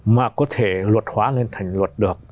mà có thể luật hóa lên thành luật được